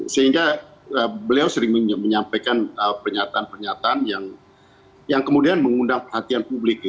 sehingga beliau sering menyampaikan pernyataan pernyataan yang kemudian mengundang perhatian publik